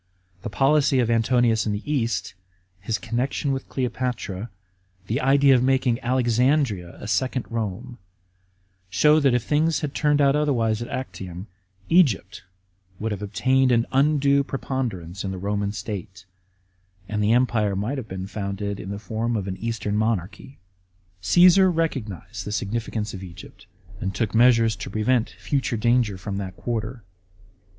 The policy of Antonius in the East, his connection with Cleopatra, the idea of making Alexandria a second Rome, show that if things had turned out otherwise at Actium, Egypt would have obtained an undue preponderance in the Roman State, and the empire might have been founded in the form of an Eastern monarchy. Caesar recognised the significance of Egypt, and took measures to prevent future danger from that quarter.